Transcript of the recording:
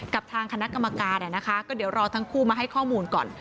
กับทางคณะกรรมการนะคะก็เดี๋ยวรอทั้งคู่มาให้ข้อมูลก่อน